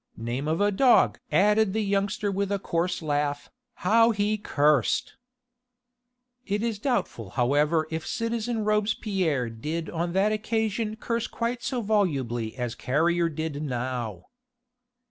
Name of a dog!" added the youngster with a coarse laugh, "how he cursed!" It is doubtful however if citizen Robespierre did on that occasion curse quite so volubly as Carrier did now.